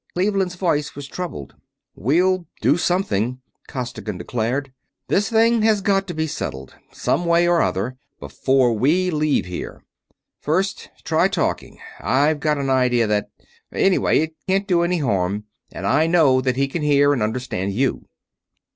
Cleveland's voice was troubled. "We'll do something!" Costigan declared. "This thing has got to be settled, some way or other, before we leave here. First, try talking. I've got an idea that ... anyway, it can't do any harm, and I know that he can hear and understand you."